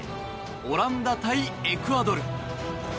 オランダ対エクアドル。